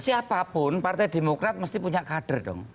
siapapun partai demokrat mesti punya kader dong